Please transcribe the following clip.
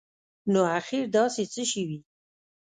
نو اخیر داسي څه شوي